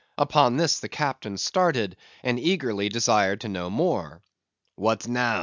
Upon this the captain started, and eagerly desired to know more. "What now?"